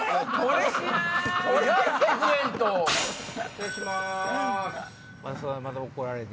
失礼します。